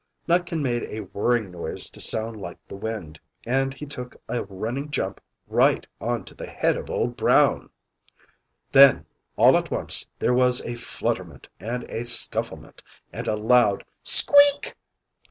Nutkin made a whirring noise to sound like the WIND, and he took a running jump right onto the head of Old Brown! ... Then all at once there was a flutterment and a scufflement and a loud "Squeak!"